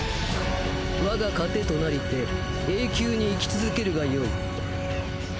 我が糧となりて永久に生き続けるがよい。